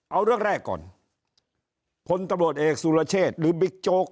เอาเรื่องแรกก่อนพลตำรวจเอกสุรเชษหรือบิ๊กโจ๊ก